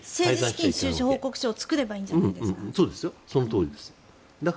それで政治資金収支報告書を作ればいいんじゃないですか？